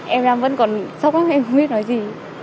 em đang vẫn còn sốc lắm em không biết nói gì